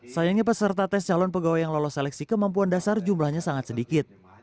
sayangnya peserta tes calon pegawai yang lolos seleksi kemampuan dasar jumlahnya sangat sedikit